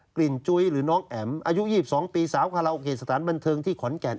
กลิ่นจุ้ยหรือน้องแอ๋มอายุ๒๒ปีสาวคาราโอเกสถานบันเทิงที่ขอนแก่น